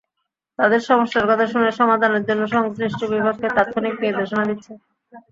তাঁদের সমস্যার কথা শুনে সমাধানের জন্য সংশ্লিষ্ট বিভাগকে তাৎক্ষণিক নির্দেশনা দিচ্ছি।